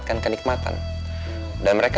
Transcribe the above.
habis beli makan malam ma